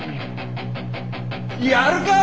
やるか！